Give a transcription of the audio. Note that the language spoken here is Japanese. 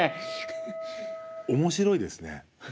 面白いですね